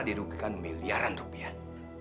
dirugikan miliaran rupiah